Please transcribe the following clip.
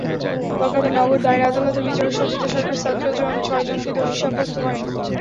কলকাতার নগর দায়রা আদালতের বিচারক সঞ্চিতা সরকার ছয়জনকে দোষী সাব্যস্ত করেন।